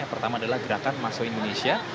yang pertama adalah gerakan mahasiswa indonesia